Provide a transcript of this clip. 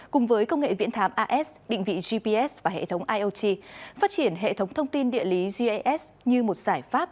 cùng với công nghệ viễn thám as định vị gps và hệ thống iot phát triển hệ thống thông tin địa lý gis như một giải pháp